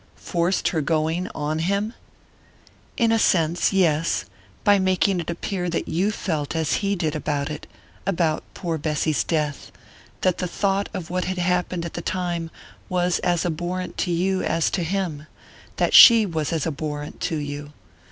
"Forced her going on him?" "In a sense, yes; by making it appear that you felt as he did about about poor Bessy's death: that the thought of what had happened at that time was as abhorrent to you as to him that she was as abhorrent to you.